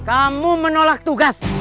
kamu menolak tugas